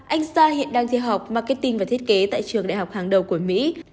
anh sa hiện đang thiết học marketing và thiết kế tại trường đại học hàng đầu của mỹ